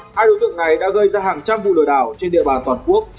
hai đối tượng này đã gây ra hàng trăm vụ lừa đảo trên địa bàn toàn quốc